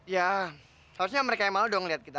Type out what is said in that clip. ya harusnya mereka yang malu dong lihat kita